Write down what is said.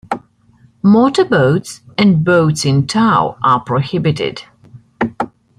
Motor boats and boats in tow are prohibited.